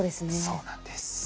そうなんです。